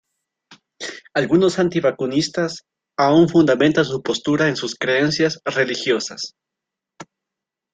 Algunos anti-vacunacionistas aún fundamentan su postura en sus creencias religiosas.